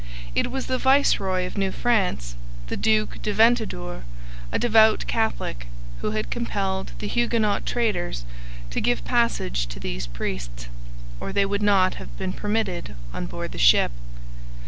It was the viceroy of New France, the Duc de Ventadour, a devout Catholic, who had compelled the Huguenot traders to give passage to these priests, or they would not have been permitted on board the ship.